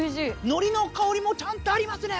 のりの香りもちゃんとありますね。